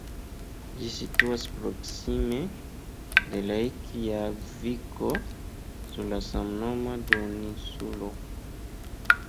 Ĝi situas proksime de Rejkjaviko sur la samnoma duoninsulo.